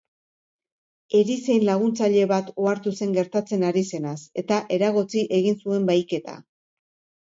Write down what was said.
Erizain laguntzaile bat ohartu zen gertatzen ari zenaz eta eragotzi egin zuen bahiketa.